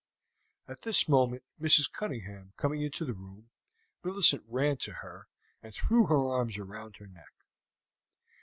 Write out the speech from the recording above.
At this moment, Mrs. Cunningham coming into the room, Millicent ran to her and threw her arms round her neck.